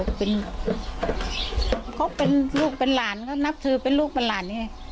เขาเป็นลูกเป็นหลานเขานับถือเป็นลูกเป็นหลานไง